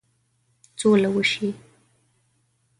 سوله وشي.